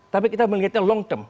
tapi kita melihatnya long term